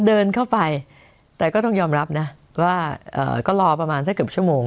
เดินเข้าไปแต่ก็ต้องยอมรับนะว่าก็รอประมาณสักเกือบชั่วโมง